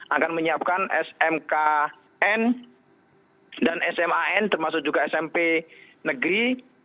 akan menyiapkan smkn dan sman termasuk juga smp negeri